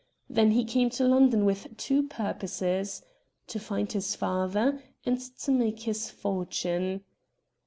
Then he came to London with two purposes — to find his father and to make his fortune.